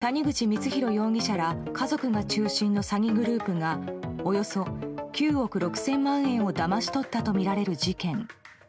谷口光弘容疑者ら家族が中心の詐欺グループがおよそ９億６０００万円をだまし取ったとみられる事件。